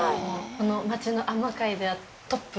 この町の海女界ではトップ？